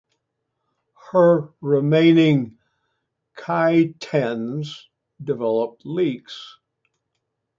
Her remaining "kaitens" developed leaks.